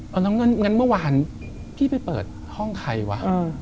เอาน้องเงินเมื่อวานพี่ไปเปิดห้องใครวะ